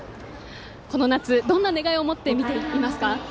この夏、どんな願いを持って見ていますか？